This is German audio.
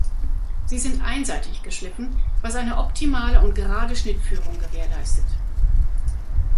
Sie sind einseitig geschliffen, was eine optimale und gerade Schnittführung gewährleistet.